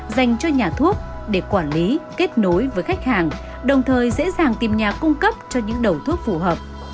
dành cho nhà thuốc để quản lý kết nối với khách hàng đồng thời dễ dàng tìm nhà cung cấp cho những đầu thuốc phù hợp